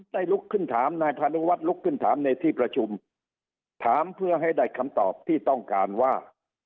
ลุกขึ้นถามนายพานุวัฒนลุกขึ้นถามในที่ประชุมถามเพื่อให้ได้คำตอบที่ต้องการว่า